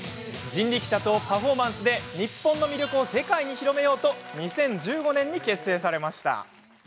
人力車とパフォーマンスで日本の魅力を世界に広めようと２０１５年に結成されました。